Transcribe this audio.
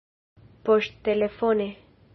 poŝtelefone